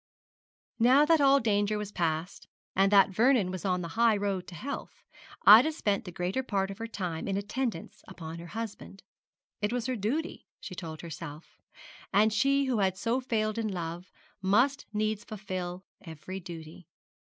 Now that all danger was past, and that Vernon was on the high road to health, Ida spent the greater part of her time in attendance upon her husband. It was her duty, she told herself; and she who had so failed in love must needs fulfil every duty.